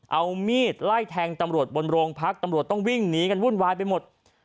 เอามีดไล่แทงตำรวจบนโรงพักตำรวจต้องวิ่งหนีกันวุ่นวายไปหมด